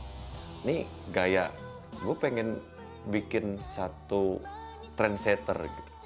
ini gaya gue pengen bikin satu trendsetter gitu